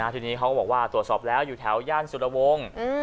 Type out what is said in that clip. ทีนี้เขาก็บอกว่าตรวจสอบแล้วอยู่แถวย่านสุรวงศ์